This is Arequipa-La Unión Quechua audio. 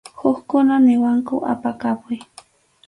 Hukkuna niwanku apakapuy.